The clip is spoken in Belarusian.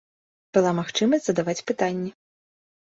Была магчымасць задаваць пытанні.